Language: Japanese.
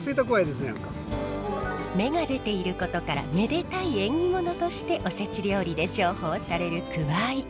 芽が出ていることからめでたい縁起物としておせち料理で重宝されるくわい。